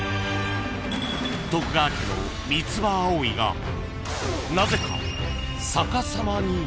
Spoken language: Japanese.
［徳川家の三つ葉葵がなぜか］